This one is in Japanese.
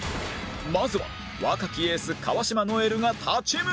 まずは若きエース川島如恵留が立ち向かう